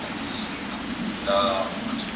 چي ور ياده د پيشو به يې ځغستا سوه